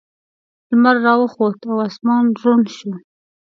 لمر راوخوت او اسمان روڼ شو.